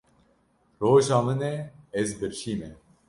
Roja min e ez birçî me.